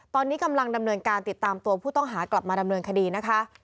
ตอนนี้กำลังดำเนินการติดตามตัวผู้ต้องหากลับมาดำเนินคดีนะคะ